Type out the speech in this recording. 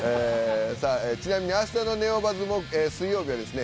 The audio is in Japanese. さあちなみに明日の『ネオバズ！！』も水曜日はですね